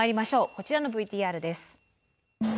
こちらのＶＴＲです。